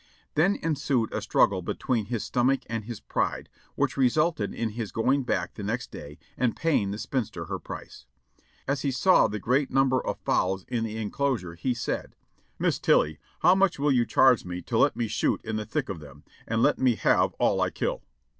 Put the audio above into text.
Then ensued a struggle between his stomach and his pride, which resulted in his going back the next day and paying the spinster her price. As he saw the great num ber of fowls in the enclosure he said :'' 'Miss Tilly, how much will you charge me to let me shoot in the thick of them, an' let me have all I kill?'